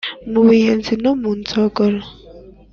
mu buyenzi no mu nzogoro